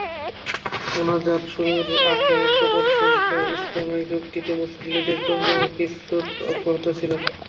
মোনাজাত শুরুর আগমুহূর্ত পর্যন্ত ইজতেমায় যোগ দিতে মুসল্লিদের টঙ্গীমুখী স্রোত অব্যাহত ছিল।